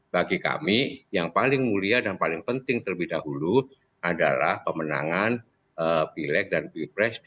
bagi kami yang paling mulia dan paling penting terlebih dahulu adalah pemenangan bilek dan bipres dua ribu dua puluh empat